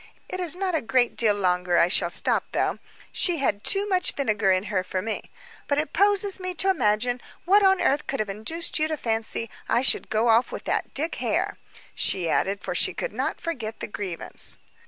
It is not a great deal longer I shall stop, though; she had too much vinegar in her for me. But it poses me to imagine what on earth could have induced you to fancy I should go off with that Dick Hare," she added, for she could not forget the grievance.